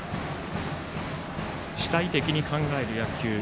主体的に考える野球。